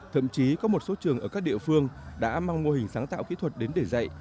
thậm chí có một số trường ở các địa phương đã mang mô hình sáng tạo kỹ thuật đến để dạy